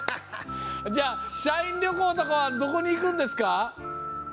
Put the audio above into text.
社員旅行とかどこに行くんですか？